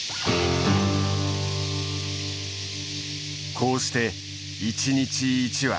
こうして一日１羽。